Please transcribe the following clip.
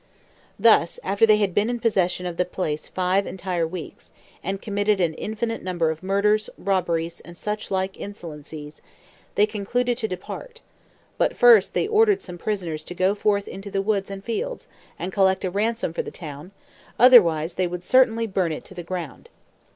Thus, after they had been in possession of the place five entire weeks, and committed an infinite number of murders, robberies, and such like insolencies, they concluded to depart; but first they ordered some prisoners to go forth into the woods and fields, and collect a ransom for the town, otherwise they would certainly burn it down to the ground.